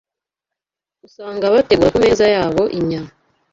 usanga bategura ku meza yabo inyama